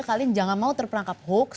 kalian jangan mau terperangkap hoax